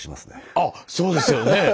あっそうですよね。